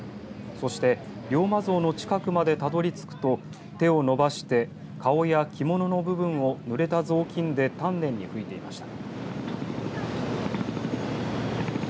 そして、龍馬像の近くまでたどり着くと手を伸ばして顔や着物の部分をぬれた雑巾で丹念に拭いていました。